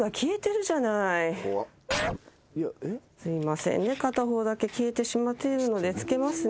すいません片方だけ消えてしまってるので付けますね。